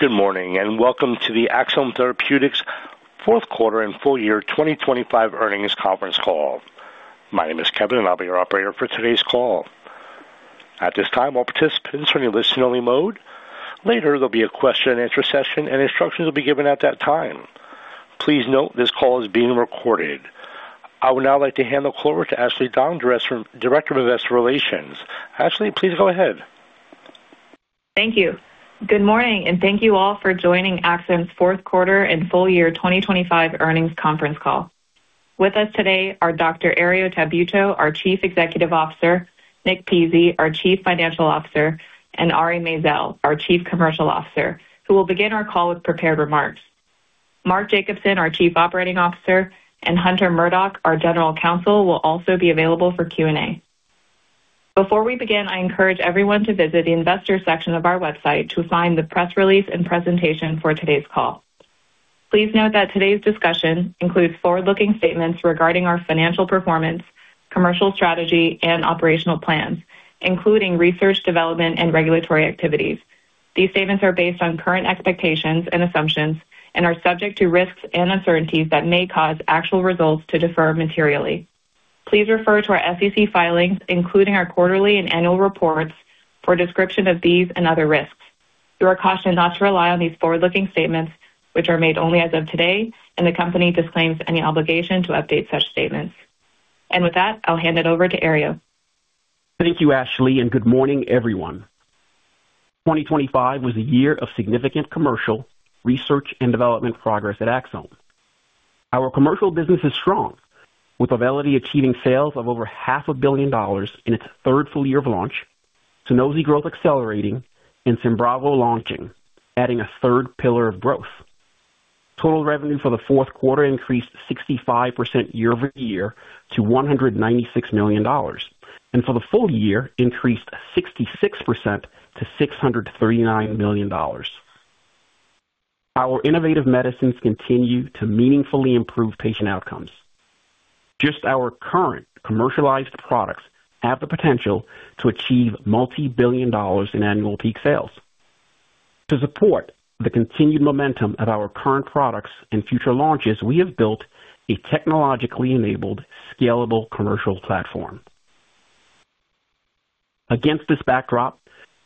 Good morning, and welcome to the Axsome Therapeutics fourth quarter and full year 2025 earnings conference call. My name is Kevin, and I'll be your operator for today's call. At this time, all participants are in a listen-only mode. Later, there'll be a question-and-answer session, and instructions will be given at that time. Please note this call is being recorded. I would now like to hand it over to Ashley Dong, Director of Investor Relations. Ashley, please go ahead. Thank you. Good morning, and thank you all for joining Axsome's fourth quarter and full year 2025 earnings conference call. With us today are Dr. Herriot Tabuteau, our Chief Executive Officer, Nick Pizzie, our Chief Financial Officer, and Ari Maizel, our Chief Commercial Officer, who will begin our call with prepared remarks. Mark Jacobson, our Chief Operating Officer, and Hunter Murdock, our General Counsel, will also be available for Q&A. Before we begin, I encourage everyone to visit the investors section of our website to find the press release and presentation for today's call. Please note that today's discussion includes forward-looking statements regarding our financial performance, commercial strategy, and operational plans, including research, development, and regulatory activities. These statements are based on current expectations and assumptions and are subject to risks and uncertainties that may cause actual results to defer materially. Please refer to our SEC filings, including our quarterly and annual reports, for a description of these and other risks. You are cautioned not to rely on these forward-looking statements, which are made only as of today, and the company disclaims any obligation to update such statements. With that, I'll hand it over to Herriot. Thank you, Ashley. Good morning, everyone. 2025 was a year of significant commercial R&D progress at Axsome. Our commercial business is strong, with Auvelity achieving sales of over $500 million in its third full year of launch, Sunosi growth accelerating and Symbravo launching, adding a third pillar of growth. Total revenue for the fourth quarter increased 65% year-over-year to $196 million, and for the full year increased 66% to $639 million. Our innovative medicines continue to meaningfully improve patient outcomes. Just our current commercialized products have the potential to achieve multi-billion dollars in annual peak sales. To support the continued momentum of our current products and future launches, we have built a technologically enabled, scalable commercial platform. Against this backdrop,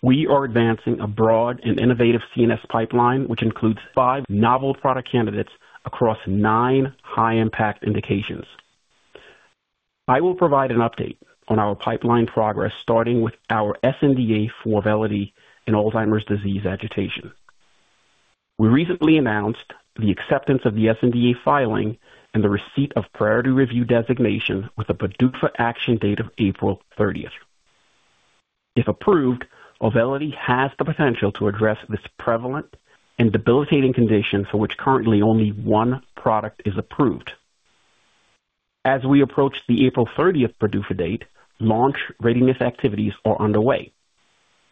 we are advancing a broad and innovative CNS pipeline, which includes five novel product candidates across nine high-impact indications. I will provide an update on our pipeline progress, starting with our sNDA for Auvelity in Alzheimer's disease agitation. We recently announced the acceptance of the sNDA filing and the receipt of priority review designation with a PDUFA action date of April 30th. If approved, Auvelity has the potential to address this prevalent and debilitating condition for which currently only one product is approved. As we approach the April 30th PDUFA date, launch readiness activities are underway,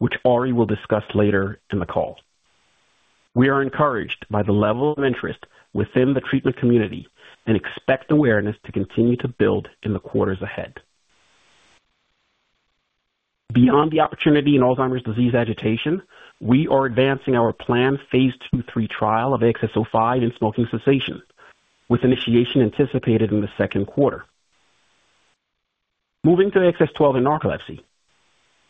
which Ari will discuss later in the call. We are encouraged by the level of interest within the treatment community and expect awareness to continue to build in the quarters ahead. Beyond the opportunity in Alzheimer's disease agitation, we are advancing our planned phase II /III trial of AXS-05 in smoking cessation, with initiation anticipated in the second quarter. Moving to AXS-12 in narcolepsy.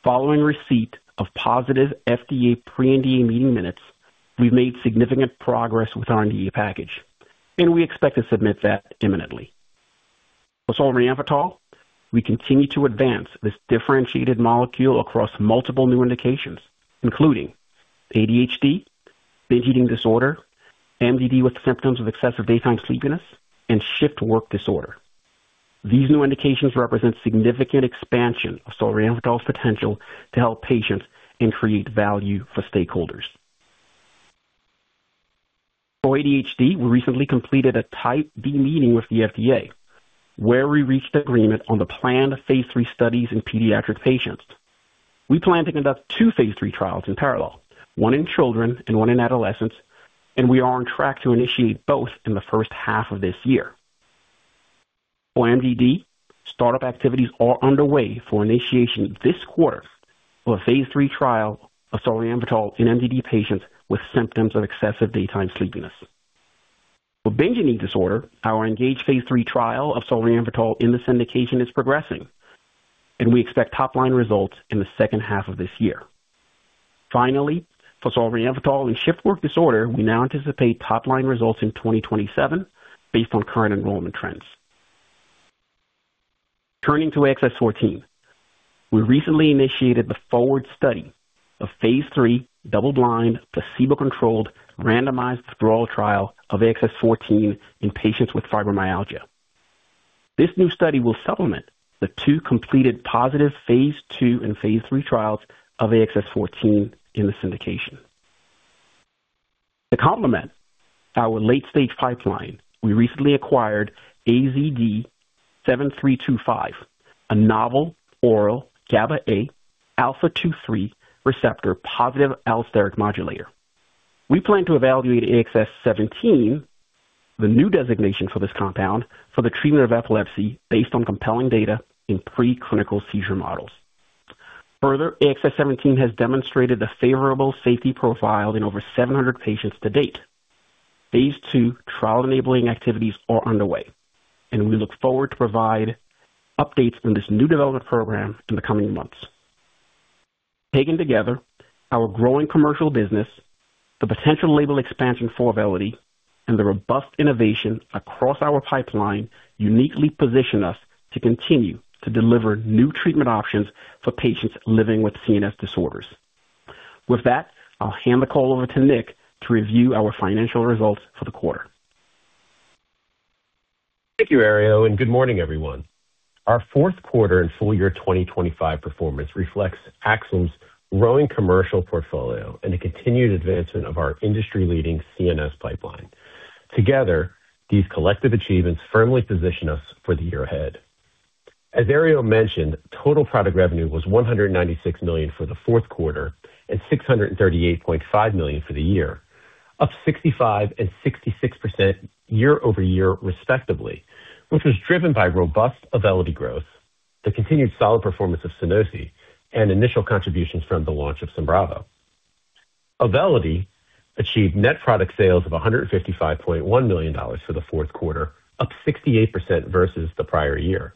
Following receipt of positive FDA pre-NDA meeting minutes, we've made significant progress with our NDA package, and we expect to submit that imminently. For solriamfetol, we continue to advance this differentiated molecule across multiple new indications, including ADHD, binge eating disorder, MDD with symptoms of excessive daytime sleepiness, and shift work disorder. These new indications represent significant expansion of solriamfetol's potential to help patients and create value for stakeholders. For ADHD, we recently completed a Type B meeting with the FDA, where we reached agreement on the planned phase III studies in pediatric patients. We plan to conduct two phase III trials in parallel, one in children and one in adolescents. We are on track to initiate both in the first half of this year. For MDD, startup activities are underway for initiation this quarter for a phase III trial of solriamfetol in MDD patients with symptoms of excessive daytime sleepiness. For binge eating disorder, our engaged phase III trial of solriamfetol in this indication is progressing. We expect top-line results in the second half of this year. Finally, for solriamfetol in shift work disorder, we now anticipate top-line results in 2027 based on current enrollment trends. Turning to AXS-14, we recently initiated the FORWARD study, a phase III, double-blind, placebo-controlled, randomized, withdrawal trial of AXS-14 in patients with fibromyalgia. This new study will supplement the two completed positive phase II and phase III trials of AXS-14 in this indication. To complement our late-stage pipeline, we recently acquired AZD7325, a novel oral GABA A alpha-2/3 receptor positive allosteric modulator. We plan to evaluate AXS-17, the new designation for this compound, for the treatment of epilepsy based on compelling data in preclinical seizure models. ... Further, AXS-17 has demonstrated a favorable safety profile in over 700 patients to date. phase II trial-enabling activities are underway. We look forward to provide updates on this new development program in the coming months. Taken together, our growing commercial business, the potential label expansion for Auvelity, and the robust innovation across our pipeline, uniquely position us to continue to deliver new treatment options for patients living with CNS disorders. With that, I'll hand the call over to Nick to review our financial results for the quarter. Thank you, Herriot. Good morning, everyone. Our fourth quarter and full year 2025 performance reflects Axsome's growing commercial portfolio and the continued advancement of our industry-leading CNS pipeline. Together, these collective achievements firmly position us for the year ahead. As Herriot mentioned, total product revenue was $196 million for the fourth quarter and $638.5 million for the year, up 65% and 66% year-over-year, respectively, which was driven by robust Auvelity growth, the continued solid performance of Sunosi, and initial contributions from the launch of Symbravo. Auvelity achieved net product sales of $155.1 million for the fourth quarter, up 68% versus the prior year.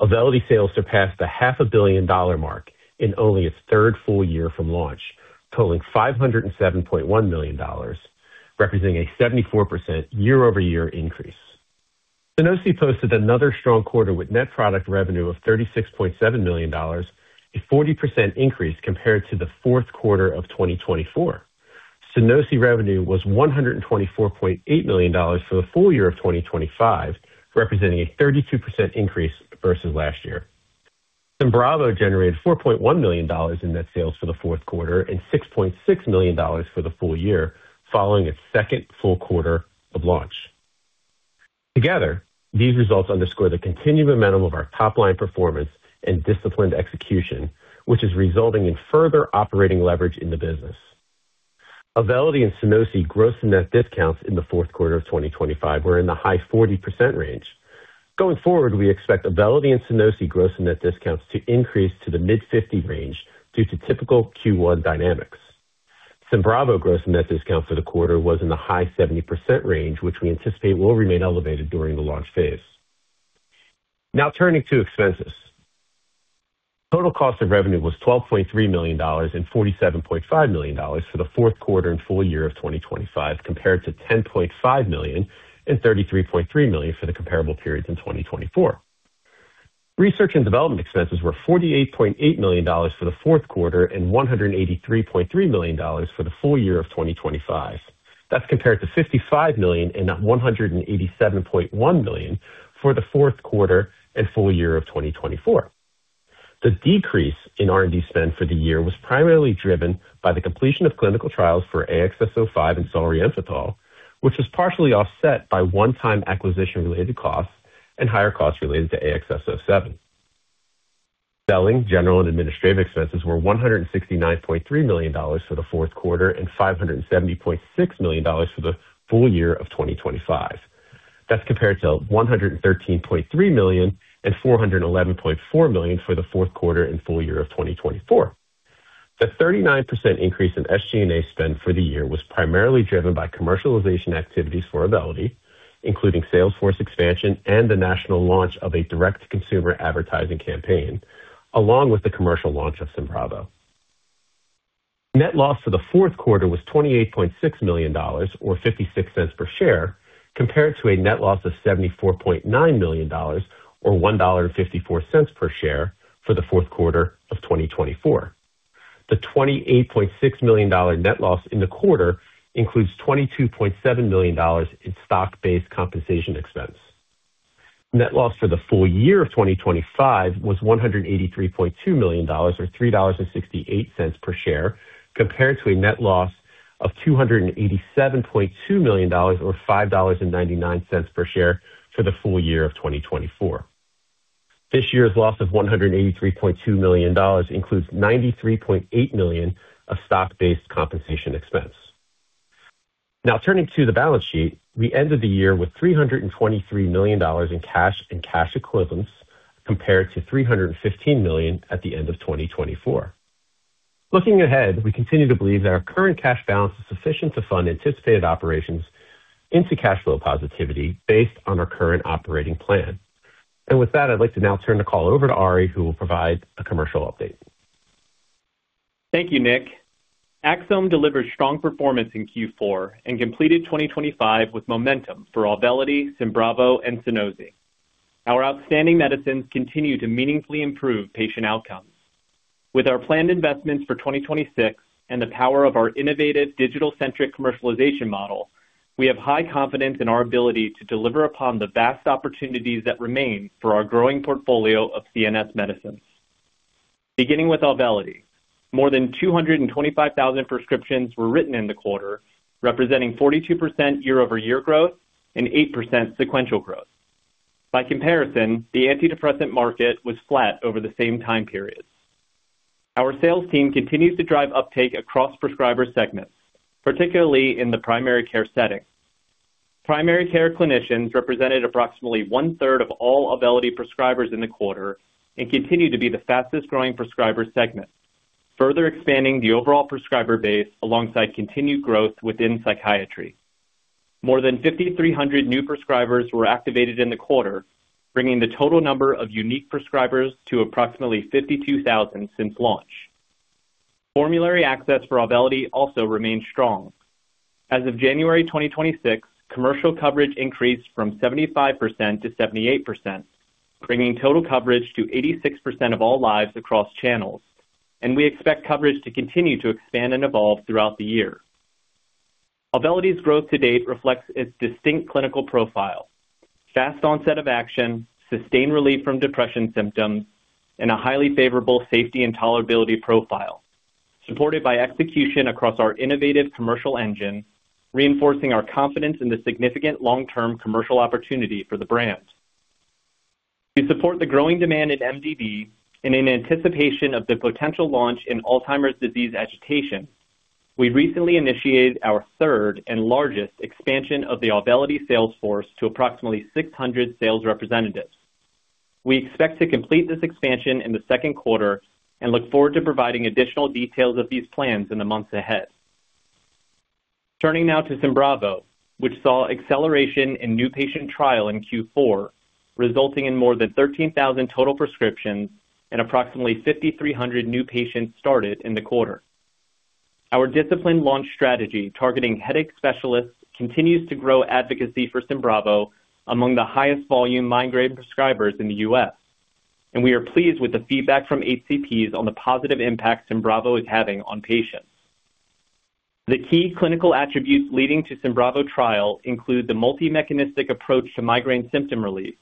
Auvelity sales surpassed the $500 million mark in only its third full year from launch, totaling $507.1 million, representing a 74% year-over-year increase. Sunosi posted another strong quarter with net product revenue of $36.7 million, a 40% increase compared to the fourth quarter of 2024. Sunosi revenue was $124.8 million for the full year of 2025, representing a 32% increase versus last year. Symbravo generated $4.1 million in net sales for the fourth quarter and $6.6 million for the full year, following its second full quarter of launch. Together, these results underscore the continued momentum of our top-line performance and disciplined execution, which is resulting in further operating leverage in the business. Auvelity and Sunosi gross and net discounts in the fourth quarter of 2025 were in the high 40% range. Going forward, we expect Auvelity and Sunosi gross net discounts to increase to the mid-50% range due to typical Q1 dynamics. Symbravo gross net discount for the quarter was in the high 70% range, which we anticipate will remain elevated during the launch phase. Now turning to expenses. Total cost of revenue was $12.3 million and $47.5 million for the fourth quarter and full year of 2025, compared to $10.5 million and $33.3 million for the comparable periods in 2024. Research and development expenses were $48.8 million for the fourth quarter and $183.3 million for the full year of 2025. That's compared to $55 million and $187.1 million for the fourth quarter and full year of 2024. The decrease in R&D spend for the year was primarily driven by the completion of clinical trials for AXS-05 and solriamfetol, which was partially offset by one-time acquisition-related costs and higher costs related to AXS-07. Selling, general, and administrative expenses were $169.3 million for the fourth quarter and $570.6 million for the full year of 2025. That's compared to $113.3 million and $411.4 million for the fourth quarter and full year of 2024. The 39% increase in SG&A spend for the year was primarily driven by commercialization activities for Auvelity, including salesforce expansion and the national launch of a direct-to-consumer advertising campaign, along with the commercial launch of Symbravo. Net loss for the fourth quarter was $28.6 million, or $0.56 per share, compared to a net loss of $74.9 million, or $1.54 per share for the fourth quarter of 2024. The $28.6 million net loss in the quarter includes $22.7 million in stock-based compensation expense. Net loss for the full year of 2025 was $183.2 million, or $3.68 per share, compared to a net loss of $287.2 million, or $5.99 per share for the full year of 2024. This year's loss of $183.2 million includes $93.8 million of stock-based compensation expense. Now, turning to the balance sheet, we ended the year with $323 million in cash and cash equivalents, compared to $315 million at the end of 2024. Looking ahead, we continue to believe that our current cash balance is sufficient to fund anticipated operations into cash flow positivity based on our current operating plan. With that, I'd like to now turn the call over to Ari, who will provide a commercial update. Thank you, Nick. Axsome delivered strong performance in Q4 and completed 2025 with momentum for Auvelity, Symbravo, and Sunosi. Our outstanding medicines continue to meaningfully improve patient outcomes. With our planned investments for 2026 and the power of our innovative digital-centric commercialization model, we have high confidence in our ability to deliver upon the vast opportunities that remain for our growing portfolio of CNS medicines. Beginning with Auvelity, more than 225,000 prescriptions were written in the quarter, representing 42% year-over-year growth and 8% sequential growth. By comparison, the antidepressant market was flat over the same time period. Our sales team continues to drive uptake across prescriber segments, particularly in the primary care setting.... Primary care clinicians represented approximately one-third of all Auvelity prescribers in the quarter and continue to be the fastest-growing prescriber segment, further expanding the overall prescriber base alongside continued growth within psychiatry. More than 5,300 new prescribers were activated in the quarter, bringing the total number of unique prescribers to approximately 52,000 since launch. Formulary access for Auvelity also remains strong. As of January 2026, commercial coverage increased from 75% to 78%, bringing total coverage to 86% of all lives across channels, and we expect coverage to continue to expand and evolve throughout the year. Auvelity growth to date reflects its distinct clinical profile, fast onset of action, sustained relief from depression symptoms, and a highly favorable safety and tolerability profile, supported by execution across our innovative commercial engine, reinforcing our confidence in the significant long-term commercial opportunity for the brand. To support the growing demand in MDD and in anticipation of the potential launch in Alzheimer's disease agitation, we recently initiated our third and largest expansion of the Auvelity sales force to approximately 600 sales representatives. We expect to complete this expansion in the second quarter and look forward to providing additional details of these plans in the months ahead. Turning now to Symbravo, which saw acceleration in new patient trial in Q4, resulting in more than 13,000 total prescriptions and approximately 5,300 new patients started in the quarter. Our disciplined launch strategy, targeting headache specialists, continues to grow advocacy for Symbravo among the highest volume migraine prescribers in the U.S., and we are pleased with the feedback from HCPs on the positive impact Symbravo is having on patients. The key clinical attributes leading to Symbravo trial include the multi-mechanistic approach to migraine symptom relief,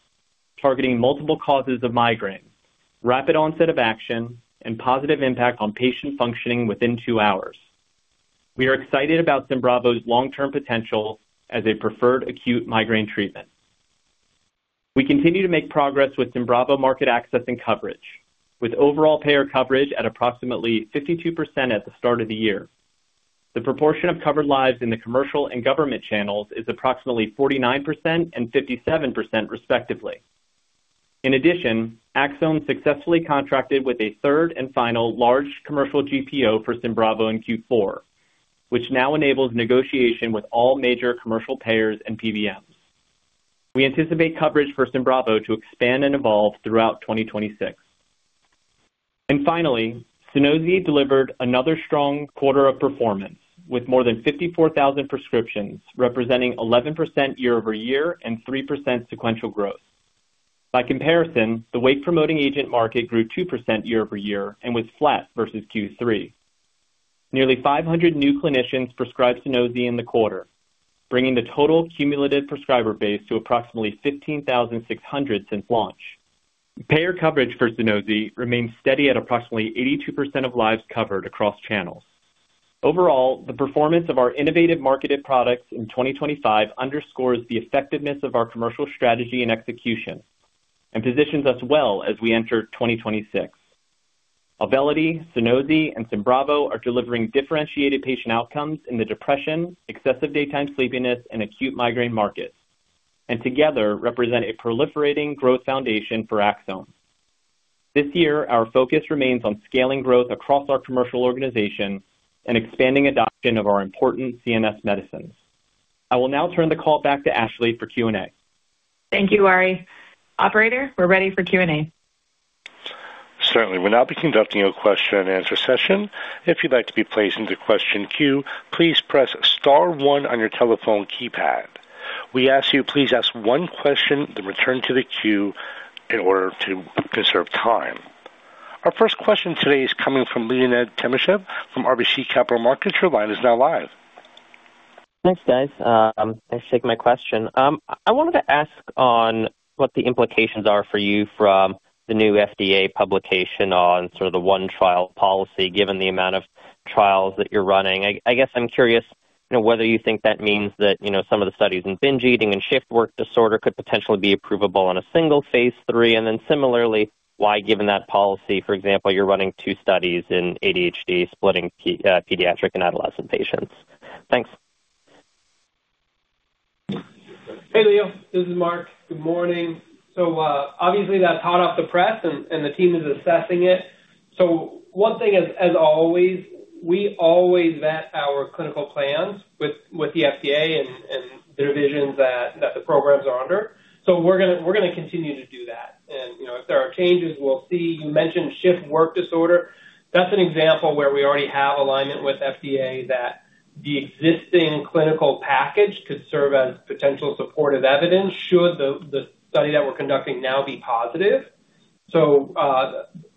targeting multiple causes of migraine, rapid onset of action, and positive impact on patient functioning within two hours. We are excited about Symbravo's long-term potential as a preferred acute migraine treatment. We continue to make progress with Symbravo market access and coverage, with overall payer coverage at approximately 52% at the start of the year. The proportion of covered lives in the commercial and government channels is approximately 49% and 57%, respectively. In addition, Axsome successfully contracted with a third and final large commercial GPO for Symbravo in Q4, which now enables negotiation with all major commercial payers and PBMs. We anticipate coverage for Symbravo to expand and evolve throughout 2026. Finally, Sunosi delivered another strong quarter of performance, with more than 54,000 prescriptions, representing 11% year-over-year and 3% sequential growth. By comparison, the anti-obesity drugs market grew 2% year-over-year and was flat versus Q3. Nearly 500 new clinicians prescribed Sunosi in the quarter, bringing the total cumulative prescriber base to approximately 15,600 since launch. Payer coverage for Sunosi remains steady at approximately 82% of lives covered across channels. Overall, the performance of our innovative marketed products in 2025 underscores the effectiveness of our commercial strategy and execution and positions us well as we enter 2026. Abilify, Sunosi and Symbravo are delivering differentiated patient outcomes in the depression, excessive daytime sleepiness and acute migraine markets, and together represent a proliferating growth foundation for Axsome. This year, our focus remains on scaling growth across our commercial organization and expanding adoption of our important CNS medicines. I will now turn the call back to Ashley for Q&A. Thank you, Ari. Operator, we're ready for Q&A. Certainly. We'll now be conducting a question and answer session. If you'd like to be placed into question queue, please press star one on your telephone keypad. We ask you, please ask one question, then return to the queue in order to conserve time. Our first question today is coming from Leonid Timashev from RBC Capital Markets. Your line is now live. Thanks, guys. Thanks for taking my question. I wanted to ask on what the implications are for you from the new FDA publication on sort of the one trial policy, given the amount of trials that you're running. I guess I'm curious, you know, whether you think that means that, you know, some of the studies in binge eating and shift work disorder could potentially be approvable on a single phase III. Similarly, why, given that policy, for example, you're running two studies in ADHD, splitting pediatric and adolescent patients? Thanks. Hey, Leo, this is Mark. Good morning. Obviously, that's hot off the press, and the team is assessing it. One thing, as always, we always vet our clinical plans with the FDA and the divisions that the programs are under. We're gonna continue to do that. You know, if there are changes, we'll see. You mentioned shift work disorder. That's an example where we already have alignment with FDA that the existing clinical package could serve as potential supportive evidence, should the study that we're conducting now be positive.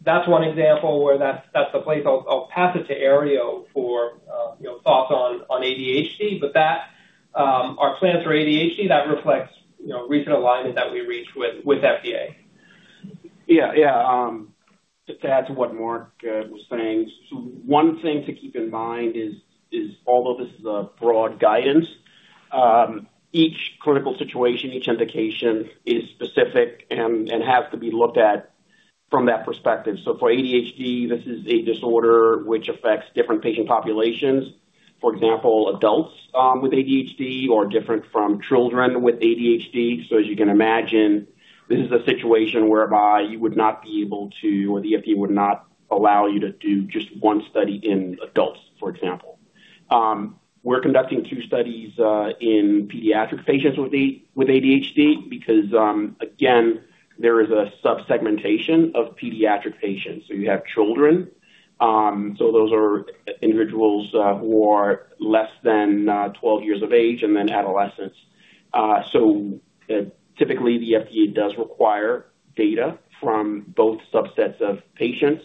That's one example where that's a place. I'll pass it to Herriot for, you know, thoughts on ADHD, but that, our plans for ADHD, that reflects, you know, recent alignment that we reached with FDA. Yeah. Yeah. Just to add to what Mark was saying, one thing to keep in mind is, is although this is a broad guidance, each clinical situation, each indication is specific and, and has to be looked at from that perspective. For ADHD, this is a disorder which affects different patient populations. For example, adults with ADHD are different from children with ADHD. As you can imagine, this is a situation whereby you would not be able to, or the FDA would not allow you to do just one study in adults, for example. We're conducting two studies in pediatric patients with ADHD because again, there is a sub-segmentation of pediatric patients. You have children, so those are individuals who are less than 12 years of age, and then adolescents. Typically, the FDA does require data from both subsets of patients.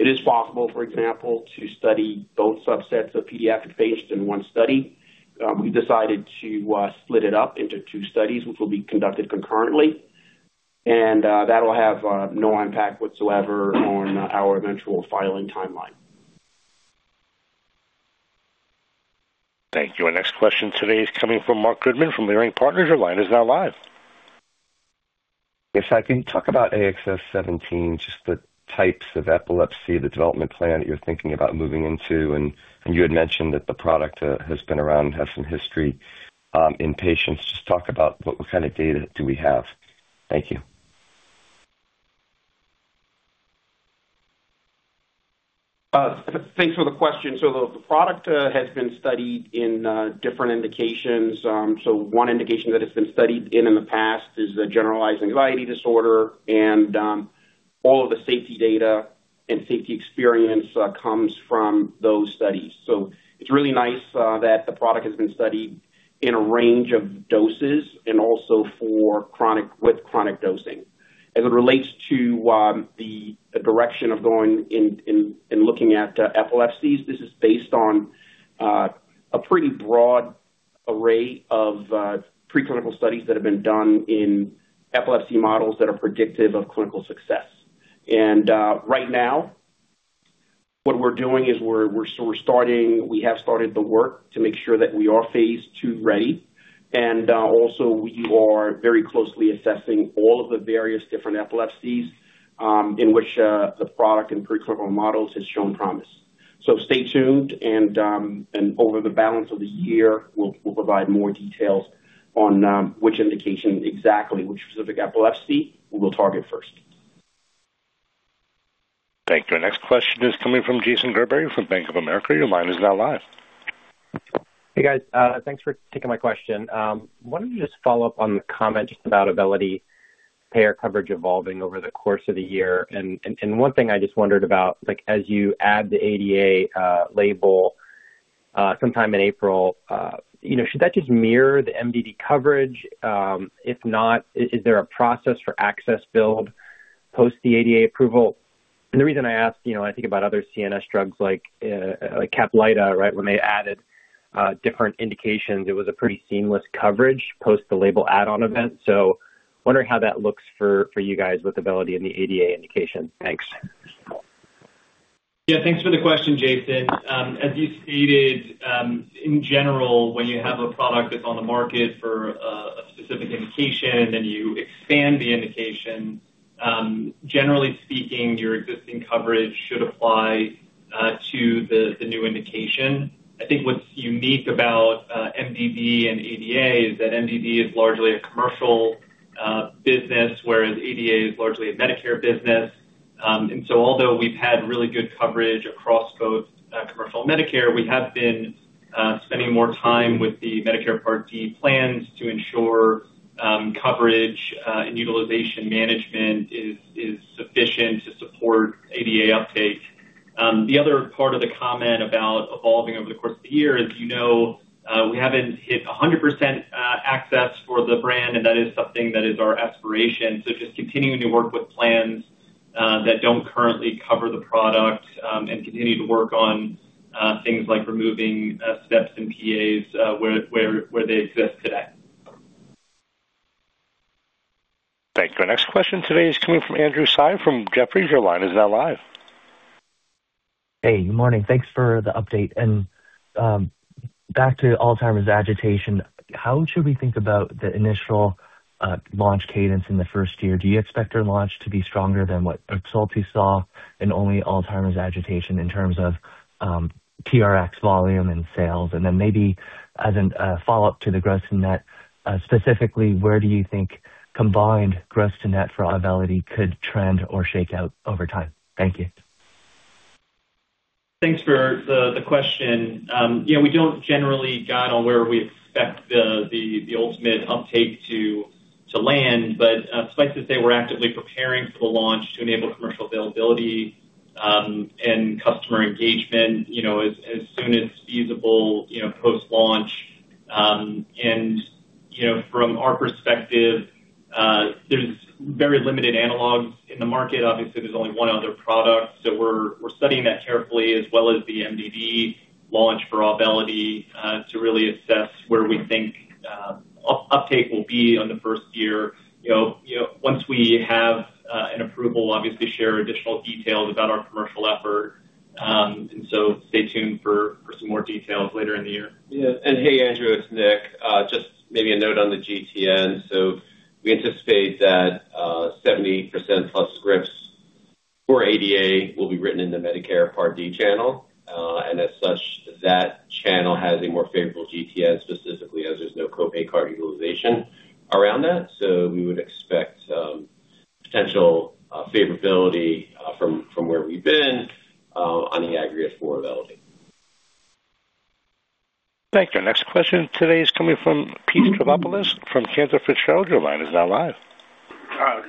It is possible, for example, to study both subsets of pediatric patients in one study. We decided to split it up into two studies, which will be conducted concurrently. That'll have no impact whatsoever on our eventual filing timeline. Thank you. Our next question today is coming from Marc Goodman from Leerink Partners. Your line is now live. Yes, can you talk about AXS-17, just the types of epilepsy, the development plan that you're thinking about moving into? You had mentioned that the product has been around and has some history in patients. Just talk about what kind of data do we have? Thank you. Thanks for the question. The product has been studied in different indications. One indication that it's been studied in, in the past is the generalized anxiety disorder, and all of the safety data and safety experience comes from those studies. It's really nice that the product has been studied in a range of doses and also with chronic dosing. As it relates to the direction of going in, in, in looking at epilepsies, this is based on a pretty broad array of preclinical studies that have been done in epilepsy models that are predictive of clinical success. Right now, what we're doing is we have started the work to make sure that we are phase II ready. Also, we are very closely assessing all of the various different epilepsies, in which the product and preclinical models has shown promise. Stay tuned, and over the balance of the year, we'll provide more details on which indication, exactly which specific epilepsy we will target first. Thank you. Our next question is coming from Jason Gerberry from Bank of America. Your line is now live. Hey, guys. Thanks for taking my question. Wanted to just follow up on the comment just about Auvelity payer coverage evolving over the course of the year. One thing I just wondered about, like, as you add the ADA label sometime in April, you know, should that just mirror the MDD coverage? If not, is there a process for access build post the ADA approval? The reason I ask, you know, I think about other CNS drugs like Caplyta, right? When they added different indications, it was a pretty seamless coverage post the label add-on event. Wondering how that looks for you guys with Auvelity and the ADA indication. Thanks. Yeah, thanks for the question, Jason. As you stated, in general, when you have a product that's on the market for a specific indication, then you expand the indication, generally speaking, your existing coverage should apply to the new indication. I think what's unique about MDD and ADA is that MDD is largely a commercial business, whereas ADA is largely a Medicare business. Although we've had really good coverage across both commercial and Medicare, we have been spending more time with the Medicare Part D plans to ensure coverage and utilization management is sufficient to support ADA uptake. The other part of the comment about evolving over the course of the year is, you know, we haven't hit 100% access for the brand, and that is something that is our aspiration. Just continuing to work with plans that don't currently cover the product, and continue to work on things like removing steps and PAs where, where, where they exist today. Thank you. Our next question today is coming from Andrew Tsai from Jefferies. Your line is now live. Hey, good morning. Thanks for the update. Back to Alzheimer's agitation, how should we think about the initial launch cadence in the first year? Do you expect your launch to be stronger than what Rexulti saw in only Alzheimer's agitation in terms of TRX volume and sales? Maybe as an follow-up to the gross net specifically, where do you think combined gross to net for Auvelity could trend or shake out over time? Thank you. Thanks for the question. You know, we don't generally guide on where we expect the ultimate uptake to land, but suffice to say, we're actively preparing for the launch to enable commercial availability, and customer engagement, you know, as soon as feasible, you know, post-launch. You know, from our perspective, there's very limited analogs in the market. Obviously, there's only one other product, so we're studying that carefully, as well as the MDD launch for Auvelity, to really assess where we think uptake will be on the first year. You know, once we have an approval, obviously, share additional details about our commercial effort. Stay tuned for some more details later in the year. Yeah. Hey, Andrew, it's Nick. Just maybe a note on the GTN. We anticipate that 70%+ scripts for ADA will be written in the Medicare Part D channel. As such, that channel has a more favorable GTN, specifically as there's no copay card utilization around that. We would expect potential favorability from where we've been on the aggregate for Auvelity. Thank you. Our next question today is coming from Pete Stavropoulos from Cantor Fitzgerald. Your line is now live.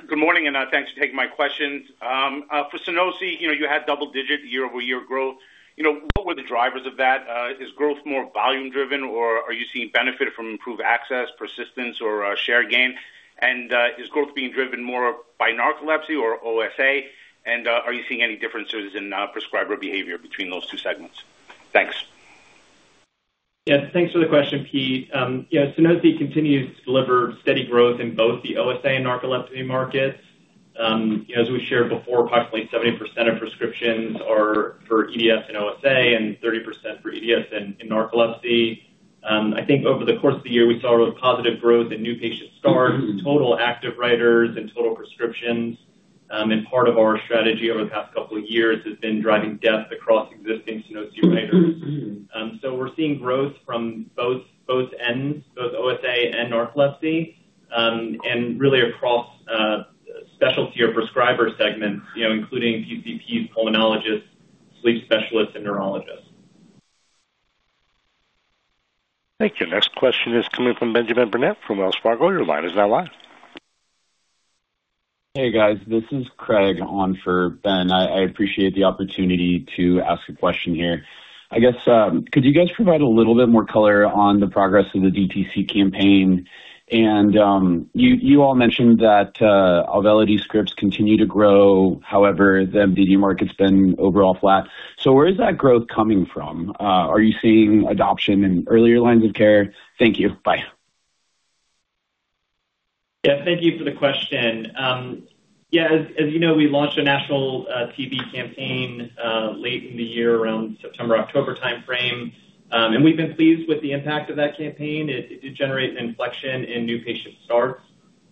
Good morning and thanks for taking my questions. For Sunosi, you know, you had double digit year-over-year growth. You know, what were the drivers of that? Is growth more volume driven, or are you seeing benefit from improved access, persistence, or share gain? And is growth being driven more by narcolepsy or OSA? And are you seeing any differences in prescriber behavior between those two segments? Thanks Yeah, thanks for the question, Pete. Yeah, Sunosi continues to deliver steady growth in both the OSA and narcolepsy markets. You know, as we shared before, approximately 70% of prescriptions are for EDS and OSA, and 30% for EDS and, and narcolepsy. I think over the course of the year, we saw a positive growth in new patient starts, total active writers and total prescriptions. Part of our strategy over the past two years has been driving depth across existing Sunosi writers. We're seeing growth from both, both ends, both OSA and narcolepsy, and really across specialty or prescriber segments, you know, including PCPs, pulmonologists, sleep specialists, and neurologists. Thank you. Next question is coming from Benjamin Burnett from Wells Fargo. Your line is now live. Hey, guys. This is Craig on for Ben. I, I appreciate the opportunity to ask a question here. I guess, could you guys provide a little bit more color on the progress of the DTC campaign? You, you all mentioned that Auvelity scripts continue to grow. However, the MDD market's been overall flat. Where is that growth coming from? Are you seeing adoption in earlier lines of care? Thank you. Bye. Yeah, thank you for the question. Yeah, as, as you know, we launched a national TV campaign late in the year, around September, October timeframe. We've been pleased with the impact of that campaign. It, it did generate inflection in new patient starts.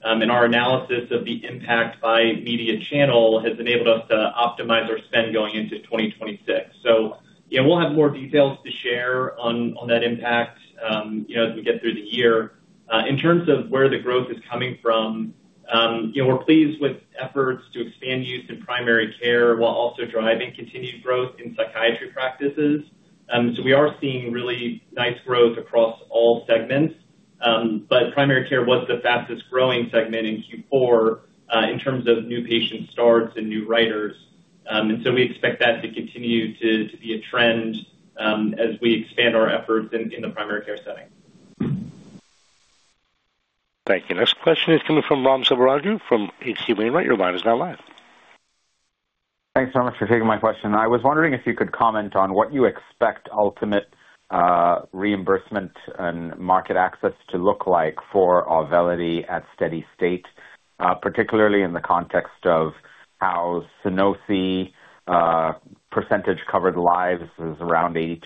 Our analysis of the impact by media channel has enabled us to optimize our spend going into 2026. Yeah, we'll have more details to share on, on that impact, you know, as we get through the year. In terms of where the growth is coming from, you know, we're pleased with efforts to expand use in primary care, while also driving continued growth in psychiatry practices. We are seeing really nice growth across all segments. Primary care was the fastest growing segment in Q4, in terms of new patient starts and new writers. We expect that to continue to, to be a trend, as we expand our efforts in, in the primary care setting. Thank you. Next question is coming from Ram Selvaraju from H.C. Wainwright. Your line is now live. Thanks so much for taking my question. I was wondering if you could comment on what you expect ultimate reimbursement and market access to look like for Auvelity at steady state, particularly in the context of how Sunosi percentage covered lives is around 82%.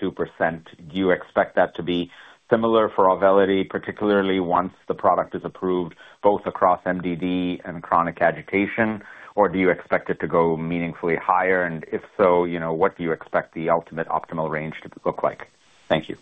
Do you expect that to be similar for Auvelity, particularly once the product is approved, both across MDD and chronic agitation? Or do you expect it to go meaningfully higher? If so, you know, what do you expect the ultimate optimal range to look like? Thank you.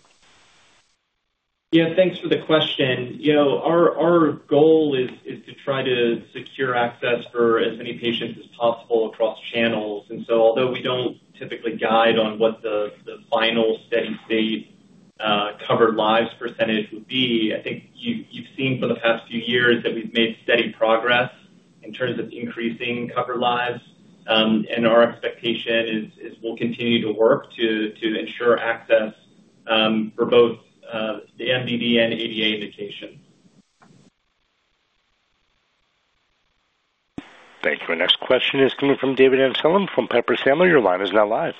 Yeah, thanks for the question. You know, our, our goal is, is to try to secure access for as many patients as possible across channels. Although we don't typically guide on what the, the final steady state covered lives percentage would be, I think you've seen for the past few years that we've made steady progress in terms of increasing covered lives. Our expectation is, is we'll continue to work to, to ensure access for both the MDD and ADA indication. Thank you. Our next question is coming from David Amsellem from Piper Sandler. Your line is now live.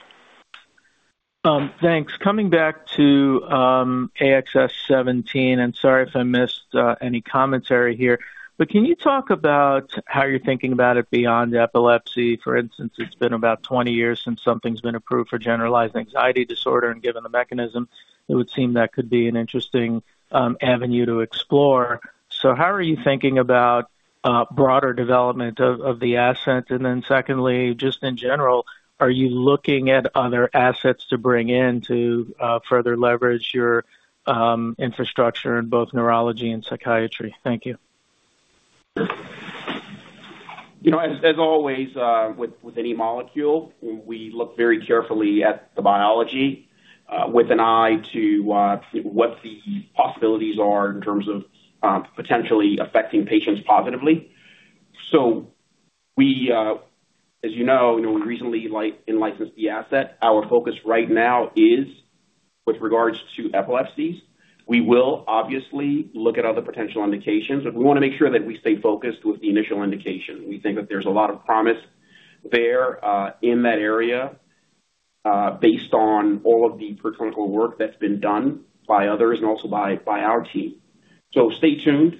Thanks. Coming back to AXS-17, sorry if I missed any commentary here, but can you talk about how you're thinking about it beyond epilepsy? For instance, it's been about 20 years since something's been approved for generalized anxiety disorder, given the mechanism, it would seem that could be an interesting avenue to explore. How are you thinking about broader development of the asset? Then secondly, just in general, are you looking at other assets to bring in to further leverage your infrastructure in both neurology and psychiatry? Thank you. You know, as always, with any molecule, we look very carefully at the biology, with an eye to what the possibilities are in terms of potentially affecting patients positively. As you know, you know, we recently in licensed the asset. Our focus right now is with regards to epilepsies. We will obviously look at other potential indications, but we want to make sure that we stay focused with the initial indication. We think that there's a lot of promise there, in that area, based on all of the preclinical work that's been done by others and also by, by our team. Stay tuned.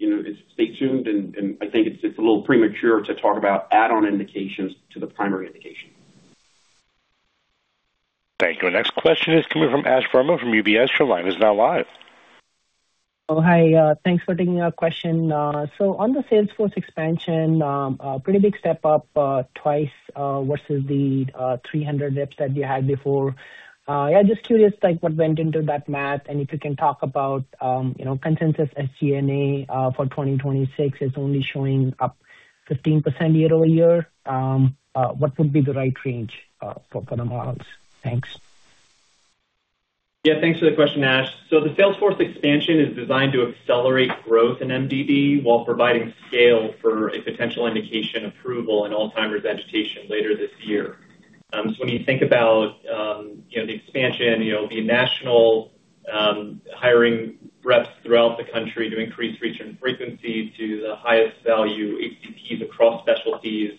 You know, stay tuned, and I think it's a little premature to talk about add-on indications to the primary indication. Thank you. Our next question is coming from Ashwani Verma from UBS. Your line is now live. Hi, thanks for taking our question. So on the sales force expansion, a pretty big step up, twice, versus the 300 reps that you had before. Yeah, just curious, like, what went into that math, and if you can talk about, you know, consensus SG&A for 2026, it's only showing up 15% year-over-year. What would be the right range for the models? Thanks. Yeah, thanks for the question, Ash. The sales force expansion is designed to accelerate growth in MDD while providing scale for a potential indication approval in Alzheimer's agitation later this year. When you think about, you know, the expansion, you know, the national hiring reps throughout the country to increase reach and frequency to the highest value ACPs across specialties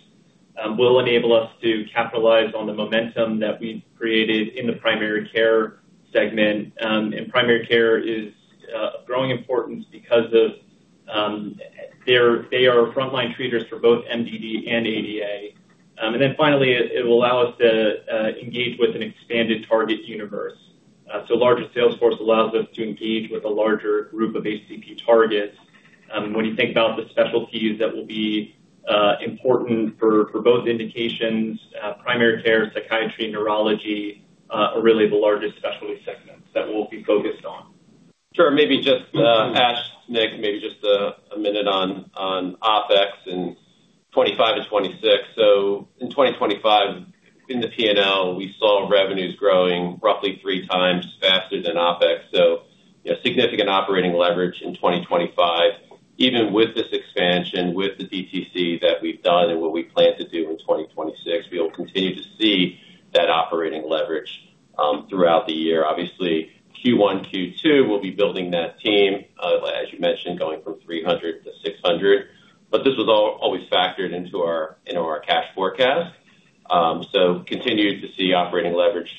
will enable us to capitalize on the momentum that we've created in the primary care segment. Primary care is of growing importance because of they are frontline treaters for both MDD and ADA. Then finally, it will allow us to engage with an expanded target universe. Larger sales force allows us to engage with a larger group of ACP targets. When you think about the specialties that will be important for, for both indications, primary care, psychiatry, neurology, are really the largest specialty segments that we'll be focused on. Sure. Maybe just, Ash, Nick, maybe just a minute on OpEx in 2025 to 2026. In 2025, in the P&L, we saw revenues growing roughly 3x faster than OpEx. Significant operating leverage in 2025, even with this expansion, with the DTC that we've done and what we plan to do in 2026, we'll continue to see that operating leverage throughout the year. Obviously, Q1, Q2, we'll be building that team, as you mentioned, going from 300 to 600. But this was always factored into our, into our cash forecast. Continue to see operating leverage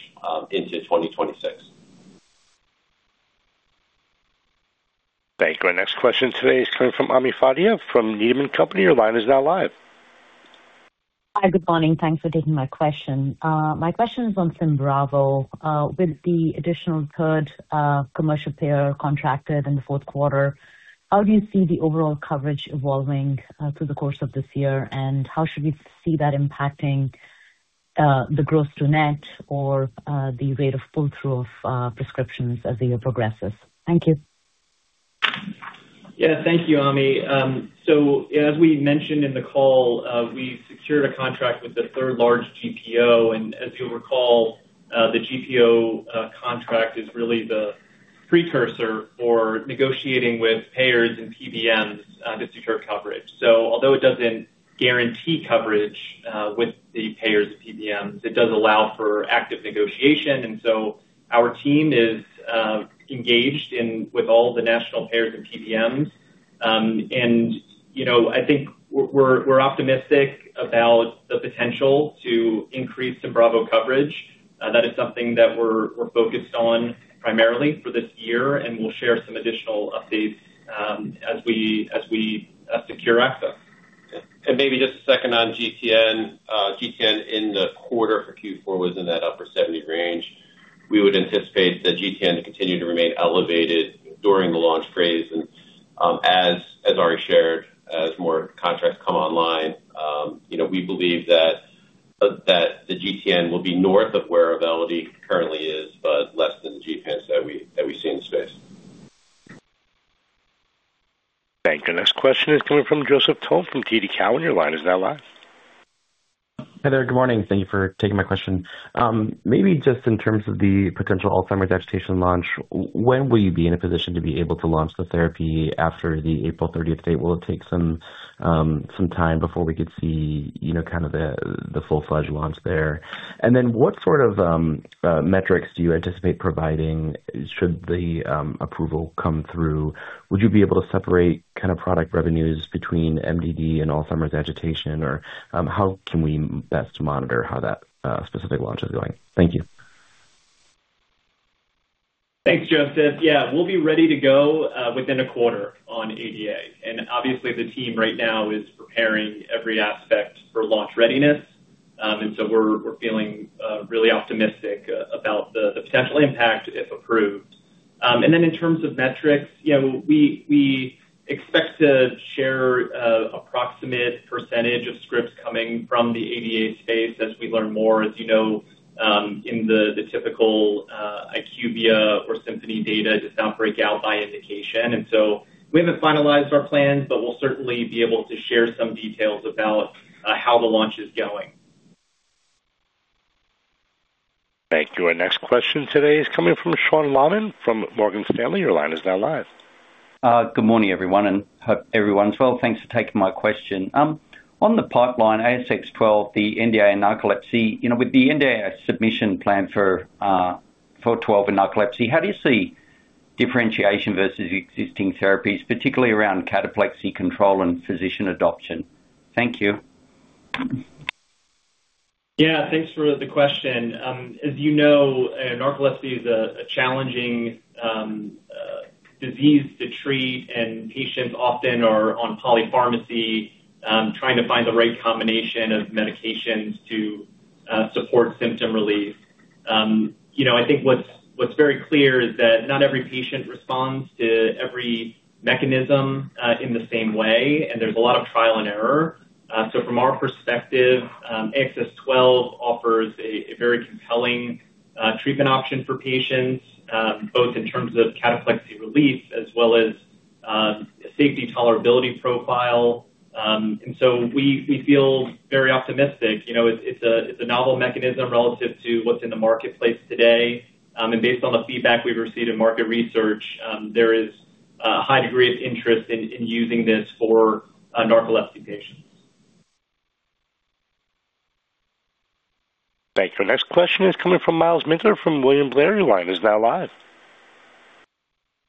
into 2026. Thank you. Our next question today is coming from Ami Fadia from Needham & Company. Your line is now live. Hi, good morning. Thanks for taking my question. My question is on Symbravo. With the additional third commercial payer contracted in the fourth quarter, how do you see the overall coverage evolving through the course of this year? How should we see that impacting the growth to net or the rate of full through of prescriptions as the year progresses? Thank you. Yeah, thank you, Ami. As we mentioned in the call, we secured a contract with the third large GPO, and as you'll recall, the GPO contract is really the precursor for negotiating with payers and PBMs to secure coverage. Although it doesn't guarantee coverage with the payers PBMs, it does allow for active negotiation. Our team is engaged with all the national payers and PBMs. You know, I think we're optimistic about the potential to increase Symbravo coverage. That is something that we're focused on primarily for this year, and we'll share some additional updates as we, as we secure access. Maybe just a second on GTN. GTN in the quarter for Q4 was in that upper 70% range. We would anticipate the GTN to continue to remain elevated during the launch phase, and as already shared, as more contracts come online, you know, we believe that the GTN will be north of where Auvelity currently is, but less than the GTNs that we see in the space. Thank you. Our next question is coming from Joseph Thome from TD Cowen. Your line is now live. Hi there. Good morning. Thank you for taking my question. Maybe just in terms of the potential Alzheimer's disease agitation launch, when will you be in a position to be able to launch the therapy after the April 30th date? Will it take some time before we could see, you know, kind of the, the full-fledged launch there? What sort of metrics do you anticipate providing should the approval come through? Would you be able to separate kind of product revenues between MDD and Alzheimer's disease agitation, or how can we best monitor how that specific launch is going? Thank you. Thanks, Joseph. Yeah, we'll be ready to go within a quarter on ADA, obviously the team right now is preparing every aspect for launch readiness. So we're, we're feeling really optimistic about the, the potential impact, if approved. Then in terms of metrics, you know, we, we expect to share approximate percentage of scripts coming from the ADA space as we learn more. As you know, in the, the typical IQVIA or Symphony data, it's not breakout by indication. So we haven't finalized our plans, but we'll certainly be able to share some details about how the launch is going. Thank you. Our next question today is coming from Sean Laaman from Morgan Stanley. Your line is now live. Good morning, everyone, and hope everyone's well. Thanks for taking my question. On the pipeline, AXS-12, the NDA and narcolepsy, you know, with the NDA submission plan for AXS-12 in narcolepsy, how do you see differentiation versus existing therapies, particularly around cataplexy control and physician adoption? Thank you. Yeah, thanks for the question. As you know, narcolepsy is a challenging disease to treat, and patients often are on polypharmacy, trying to find the right combination of medications to support symptom relief. You know, I think what's very clear is that not every patient responds to every mechanism in the same way, and there's a lot of trial and error. From our perspective, AXS-12 offers a very compelling treatment option for patients, both in terms of cataplexy relief as well as safety tolerability profile. We feel very optimistic. You know, it's a novel mechanism relative to what's in the marketplace today. Based on the feedback we've received in market research, there is a high degree of interest in, in using this for, narcolepsy patients. Thank you. Next question is coming from Myles Minter from William Blair. Your line is now live.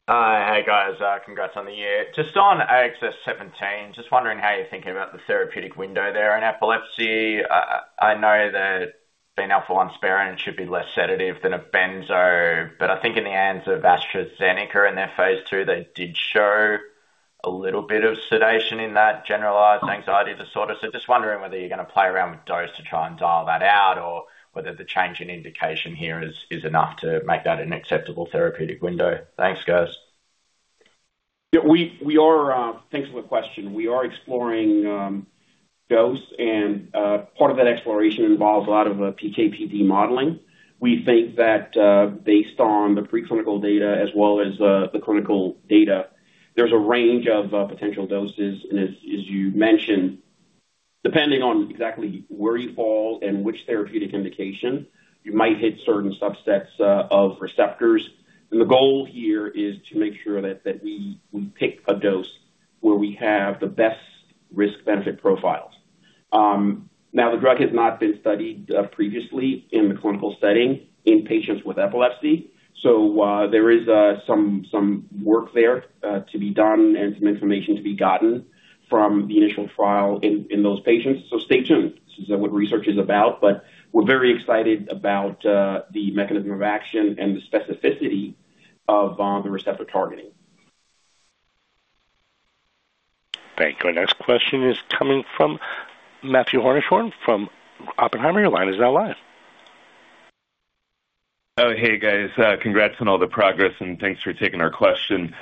Hey, guys, congrats on the year. Just on AXS-17, just wondering how you're thinking about the therapeutic window there. In epilepsy, I know that being alpha-1 sparing should be less sedative than a benzo. I think in the hands of AstraZeneca in their phase II, they did show a little bit of sedation in that generalized anxiety disorder. Just wondering whether you're gonna play around with dose to try and dial that out, or whether the change in indication here is enough to make that an acceptable therapeutic window. Thanks, guys. Yeah, we, we are-- Thanks for the question. We are exploring dose, and part of that exploration involves a lot of PK/PD modeling. We think that, based on the preclinical data as well as the clinical data, there's a range of potential doses. As, as you mentioned, depending on exactly where you fall and which therapeutic indication, you might hit certain subsets of receptors. The goal here is to make sure that, that we, we pick a dose where we have the best risk-benefit profiles. Now, the drug has not been studied previously in the clinical setting in patients with epilepsy, so there is some, some work there to be done and some information to be gotten from the initial trial in, in those patients. Stay tuned. This is what research is about, but we're very excited about, the mechanism of action and the specificity of, the receptor targeting. Thank you. Our next question is coming from Matthew Hershenhorn from Oppenheimer. Your line is now live. Hey, guys, congrats on all the progress, and thanks for taking our question.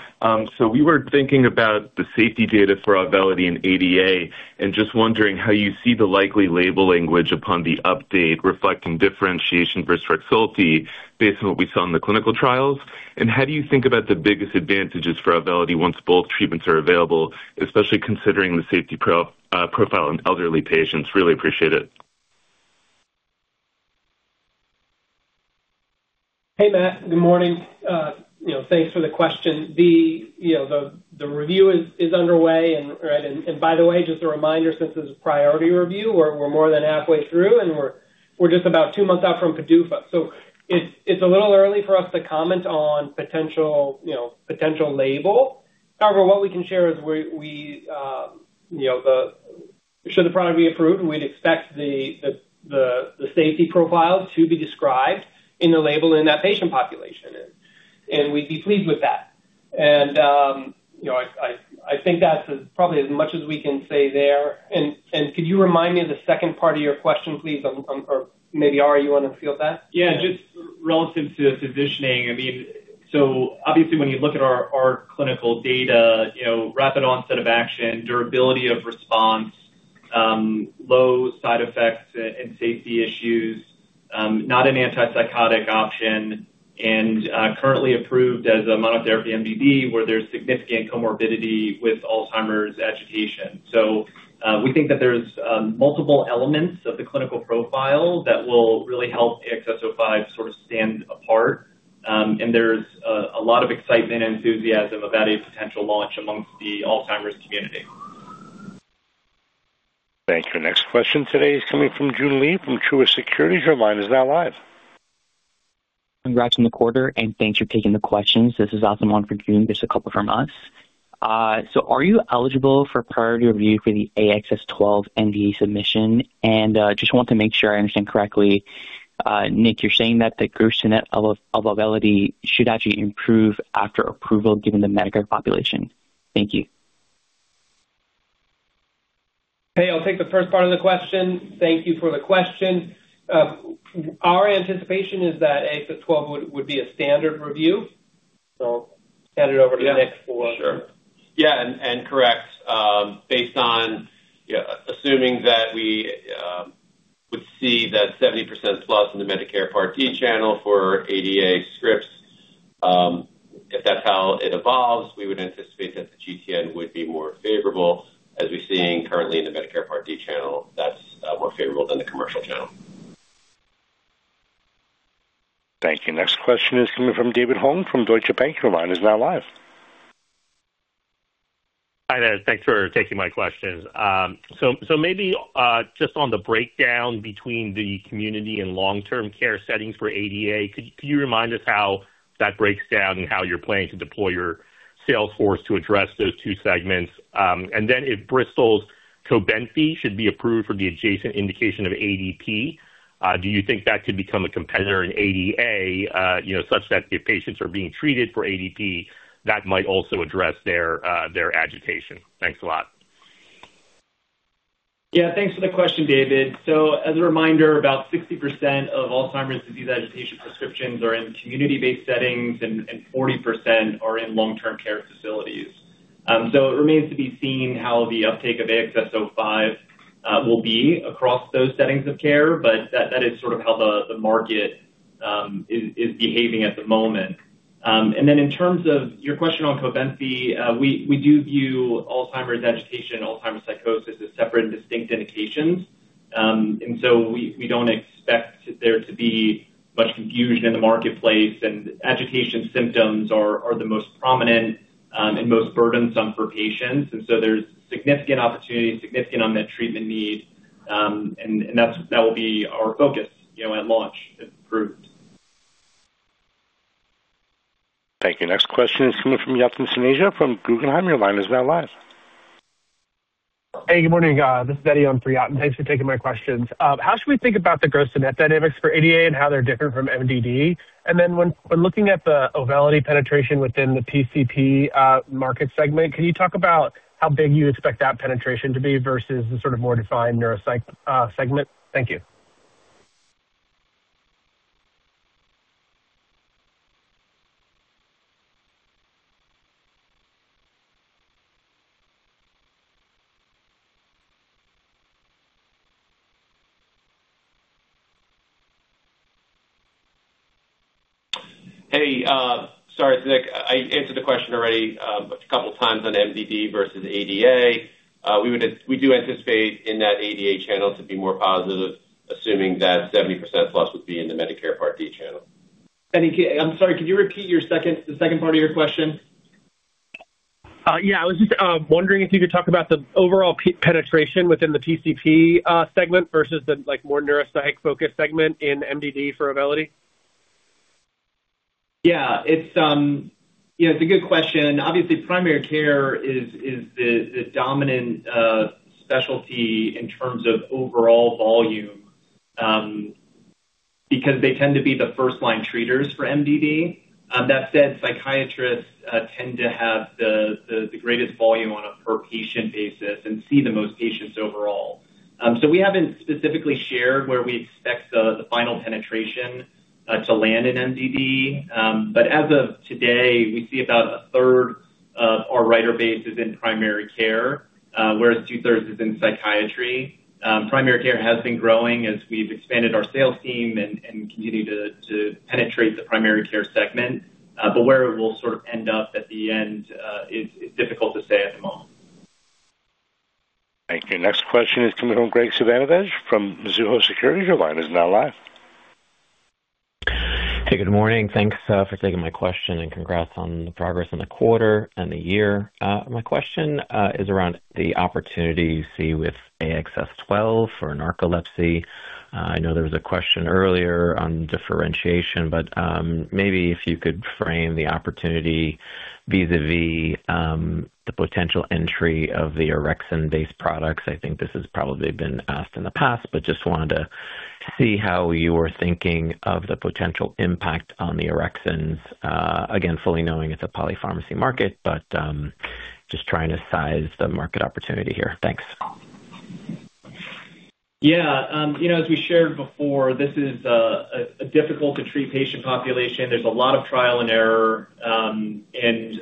We were thinking about the safety data for Auvelity and ADA, and just wondering how you see the likely label language upon the update, reflecting differentiation versus Rexulti based on what we saw in the clinical trials. How do you think about the biggest advantages for Auvelity once both treatments are available, especially considering the safety profile in elderly patients? Really appreciate it. Hey, Matt. Good morning. You know, thanks for the question. You know, the review is underway. By the way, just a reminder, since this is a priority review, we're, we're more than halfway through, and we're, we're just about two months out from PDUFA. It's a little early for us to comment on potential, you know, potential label. However, what we can share is we, we, you know, should the product be approved, we'd expect the safety profile to be described in the label in that patient population, and we'd be pleased with that. You know, I think that's as probably as much as we can say there. Could you remind me of the second part of your question, please? Maybe, Ari, you want to field that? Yeah, just relative to the positioning. I mean, obviously when you look at our, our clinical data, you know, rapid onset of action, durability of response, low side effects and safety issues, not an antipsychotic option, and currently approved as a monotherapy MDD, where there's significant comorbidity with Alzheimer's agitation. We think that there's multiple elements of the clinical profile that will really help AXS-05 sort of stand apart. There's a lot of excitement and enthusiasm about a potential launch amongst the Alzheimer's community. Thank you. Next question today is coming from Joon Lee from Truist Securities. Your line is now live. Congrats on the quarter, and thanks for taking the questions. This is awesome one for Joon. Just a couple from us. Are you eligible for priority review for the AXS-12 NDA submission? Just want to make sure I understand correctly, Nick, you're saying that the gross unit of Auvelity should actually improve after approval, given the Medicare population. Thank you. Hey, I'll take the first part of the question. Thank you for the question. Our anticipation is that AXS-12 would be a standard review, so hand it over to Nick for. Yeah, sure. Yeah, and, and correct, based on, yeah, assuming that we, would see that 70% plus in the Medicare Part D channel for ADA scripts, if that's how it evolves, we would anticipate that the GTN would be more favorable, as we're seeing currently in the Medicare Part D channel. That's, more favorable than the commercial channel. Thank you. Next question is coming from David Hong from Deutsche Bank. Your line is now live. Hi, thanks for taking my questions. Just on the breakdown between the community and long-term care settings for ADA, how that breaks down and how you're planning to deploy your sales force to address those two segments? If Bristol Myers Squibb's Cobenfy should be approved for the adjacent indication of ADP, do you think that could become a competitor in ADA, you know, such that if patients are being treated for ADP, that might also address their agitation? Thanks a lot. Yeah, thanks for the question, David. As a reminder, about 60% of Alzheimer's disease agitation prescriptions are in community-based settings and, and 40% are in long-term care facilities. It remains to be seen how the uptake of AXS-05 will be across those settings of care, but that, that is sort of how the, the market is, is behaving at the moment. In terms of your question on Cobenfy, we, we do view Alzheimer's agitation and Alzheimer's psychosis as separate and distinct indications. We, we don't expect there to be much confusion in the marketplace, and agitation symptoms are, are the most prominent and most burdensome for patients. There's significant opportunity, significant unmet treatment needs, and, and that's, that will be our focus, you know, at launch, if approved. Thank you. Next question is coming from Yatin Suneja from Guggenheim. Your line is now live. Hey, good morning, this is Eddie on for Yatin. Thanks for taking my questions. How should we think about the gross to net dynamics for ADA and how they're different from MDD? Then when, when looking at Auvelity penetration within the PCP market segment, can you talk about how big you expect that penetration to be versus the sort of more defined neuropsych segment? Thank you. Hey, sorry, Eddie, I answered the question already a couple times on MDD versus ADA. We do anticipate in that ADA channel to be more positive, assuming that 70% plus would be in the Medicare Part D channel. Eddie, I'm sorry, could you repeat your second, the second part of your question? Yeah, I was just wondering if you could talk about the overall penetration within the PCP segment versus the, like, more neuropsych focused segment in MDD for Auvelity. Yeah, it's, you know, it's a good question. Obviously, primary care is the dominant specialty in terms of overall volume, because they tend to be the first-line treaters for MDD. That said, psychiatrists tend to have the greatest volume on a per patient basis and see the most patients overall. So we haven't specifically shared where we expect the final penetration to land in MDD. As of today, we see about a third of our writer base is in primary care, whereas two-thirds is in psychiatry. Primary care has been growing as we've expanded our sales team and continue to penetrate the primary care segment. Where it will sort of end up at the end, is difficult to say at the moment. Thank you. Next question is coming from Graig Suvannavejh from Mizuho Securities. Your line is now live. Hey, good morning. Thanks for taking my question and congrats on the progress in the quarter and the year. My question is around the opportunity you see with AXS-12 for narcolepsy. I know there was a question earlier on differentiation, but maybe if you could frame the opportunity vis-a-vis the potential entry of the orexin-based products. I think this has probably been asked in the past, but just wanted to see how you were thinking of the potential impact on the orexins. Again, fully knowing it's a polypharmacy market, but just trying to size the market opportunity here. Thanks. Yeah. you know, as we shared before, this is a difficult to treat patient population. There's a lot of trial and error, and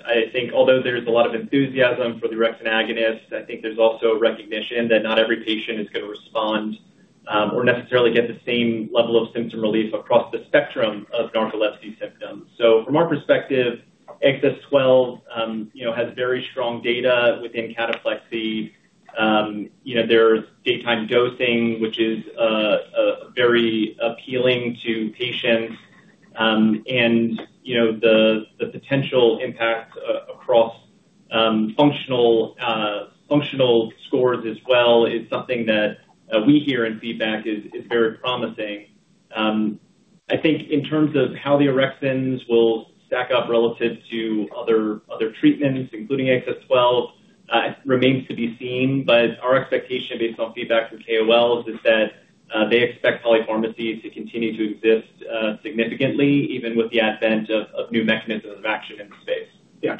I think although there's a lot of enthusiasm for the orexin agonist, I think there's also a recognition that not every patient is going to respond, or necessarily get the same level of symptom relief across the spectrum of narcolepsy symptoms. From our perspective, AXS-12, you know, has very strong data within cataplexy. you know, there's daytime dosing, which is very appealing to patients. you know, the potential impact across functional functional scores as well is something that we hear in feedback is very promising. I think in terms of how the orexins will stack up relative to other, other treatments, including AXS-12, remains to be seen. Our expectation based on feedback from KOLs is that they expect polypharmacy to continue to exist significantly, even with the advent of, of new mechanisms of action in the space. Yeah.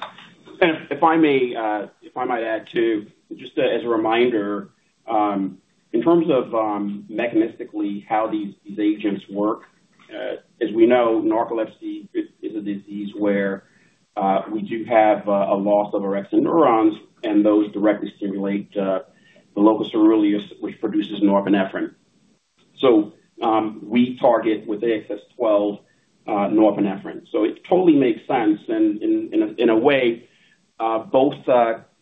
If I may, if I might add, too, just as a reminder, in terms of mechanistically, how these, these agents work, as we know, narcolepsy is, is a disease where we do have a loss of orexin neurons, and those directly stimulate the locus coeruleus, which produces norepinephrine. We target with AXS-12, norepinephrine. It totally makes sense. In, in a, in a way, both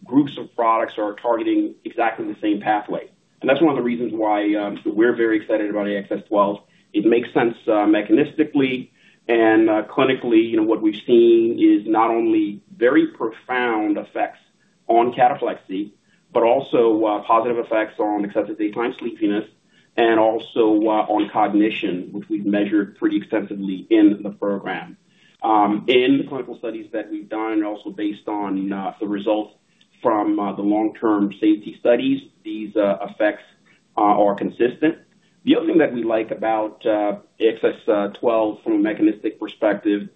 groups of products are targeting exactly the same pathway. That's one of the reasons why we're very excited about AXS-12. It makes sense, mechanistically and clinically. You know, what we've seen is not only very profound effects on cataplexy, but also positive effects on excessive daytime sleepiness and also on cognition, which we've measured pretty extensively in the program. In the clinical studies that we've done, and also based on the results from the long-term safety studies, these effects are consistent. The other thing that we like about AXS-12 from a mechanistic perspective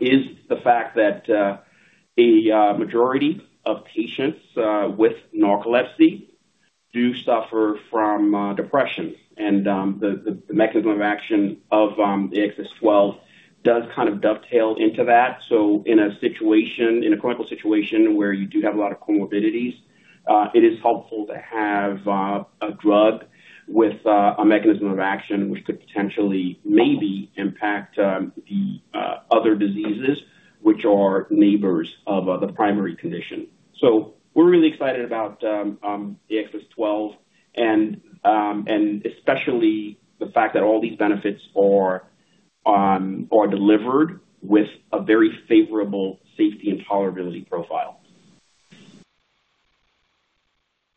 is the fact that a majority of patients with narcolepsy do suffer from depression. The mechanism of action of AXS-12 does kind of dovetail into that. In a situation, in a clinical situation where you do have a lot of comorbidities, it is helpful to have a drug with a mechanism of action which could potentially maybe impact the other diseases which are neighbors of the primary condition. We're really excited about the AXS-12 and especially the fact that all these benefits are delivered with a very favorable safety and tolerability profile.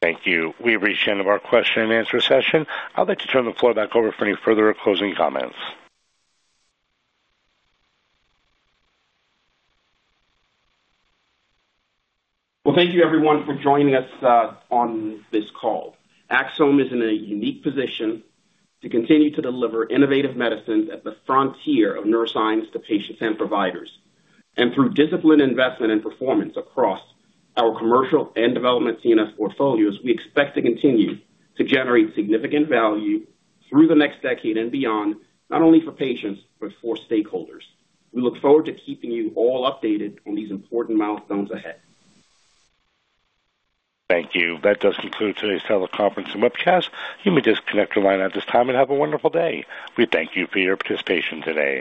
Thank you. We've reached the end of our question-and-answer session. I'd like to turn the floor back over for any further closing comments. Well, thank you, everyone, for joining us on this call. Axsome is in a unique position to continue to deliver innovative medicines at the frontier of neuroscience to patients and providers. Through disciplined investment and performance across our commercial and development CNS portfolios, we expect to continue to generate significant value through the next decade and beyond, not only for patients, but for stakeholders. We look forward to keeping you all updated on these important milestones ahead. Thank you. That does conclude today's teleconference and webcast. You may disconnect your line at this time and have a wonderful day. We thank you for your participation today.